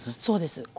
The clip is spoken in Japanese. そうです。